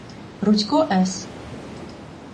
Рудько С.